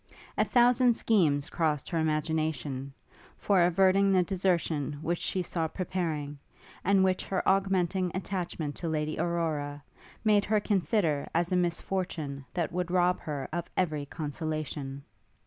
A thousand schemes crossed her imagination, for averting the desertion which she saw preparing, and which her augmenting attachment to Lady Aurora, made her consider as a misfortune that would rob her of every consolation.